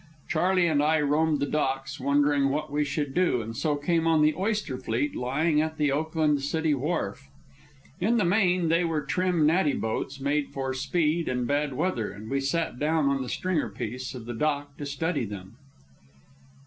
Charley and I roamed the docks, wondering what we should do, and so came upon the oyster fleet lying at the Oakland City Wharf. In the main they were trim, natty boats, made for speed and bad weather, and we sat down on the stringer piece of the dock to study them.